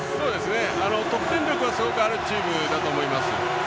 得点力はすごくあるチームだと思います。